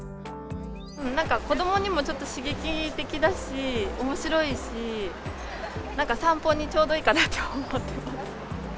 なんか子どもにもちょっと刺激的だし、おもしろいし、なんか散歩にちょうどいいかなと思ってます。